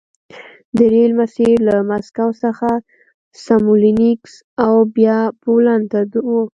د ریل مسیر له مسکو څخه سمولینکس او بیا پولنډ ته و